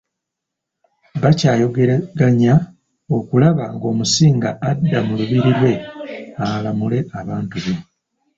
Bakyayogeraganya okulaba ng'Omusinga adda mu lubiri lwe alamule abantu be.